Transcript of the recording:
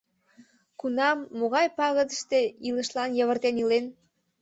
Кунам, могай пагытыште илышлан йывыртен илен?..